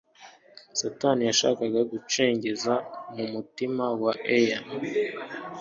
Satani yashakaga gucengeza mu mutima wa Eya,